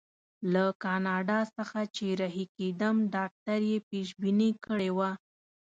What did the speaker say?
له کاناډا څخه چې رهي کېدم ډاکټر یې پېشبیني کړې وه.